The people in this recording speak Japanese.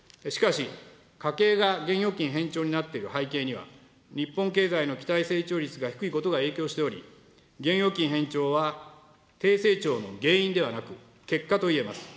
しかし、家計が現預金偏重になっている背景には、日本経済の期待成長率が低いことが影響しており、現預金偏重は低成長の原因ではなく、結果といえます。